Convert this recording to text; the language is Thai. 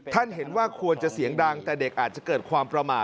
เห็นว่าควรจะเสียงดังแต่เด็กอาจจะเกิดความประมาท